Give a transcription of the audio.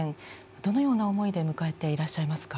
どのような思いで迎えていらっしゃいますか？